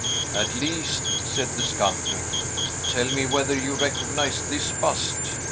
"At least," said the sculptor, "tell me whether you recognize this bust?"